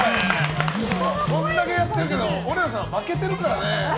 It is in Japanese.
これだけやっているけどおれおさん負けてるからね。